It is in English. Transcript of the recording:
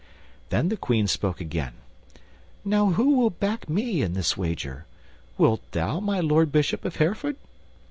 Then the Queen spoke again, "Now, who will back me in this wager? Wilt thou, my Lord Bishop of Hereford?"